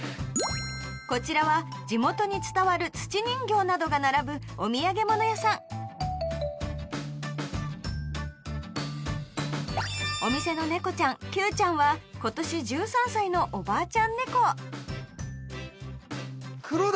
こちらは地元に伝わる土人形などが並ぶお土産物屋さんお店の猫ちゃんキュウちゃんは今年１３歳のおばあちゃん猫黒だ！